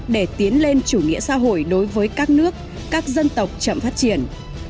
để tiến lên chủ nghĩa xã hội đối với các nước các dân tộc chậm phát triển